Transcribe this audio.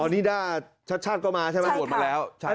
นิดาชัชชาติก็มาใช่ไหมโหวตมาแล้ว